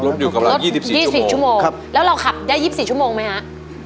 อยู่กับเรา๒๔๒๔ชั่วโมงแล้วเราขับได้๒๔ชั่วโมงไหมฮะ